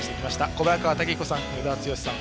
小早川毅彦さん、与田剛さん